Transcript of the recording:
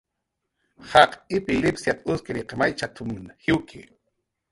"Jaqiq ipilipsiat"" uskiriq maychat""mn jiwki "